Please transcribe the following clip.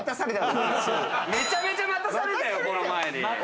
めちゃめちゃ待たされたよこの前に。